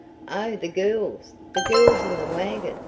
"Oh, the girls! The girls in the wagon!"